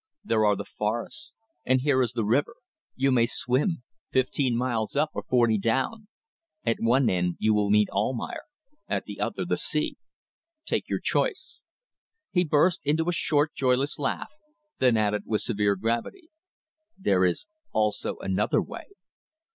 "There are the forests and here is the river. You may swim. Fifteen miles up, or forty down. At one end you will meet Almayer, at the other the sea. Take your choice." He burst into a short, joyless laugh, then added with severe gravity "There is also another way."